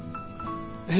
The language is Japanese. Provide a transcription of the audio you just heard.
えっ？